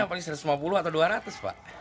awalnya rp satu ratus lima puluh atau rp dua ratus pak